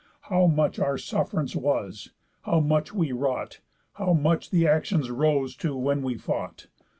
How much our suff'rance was, how much we wrought, How much the actions rose to when we fought.